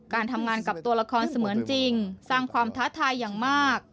การทำงานกับตัวละครเสมือนจริงสร้างความท้าทายอย่างมาก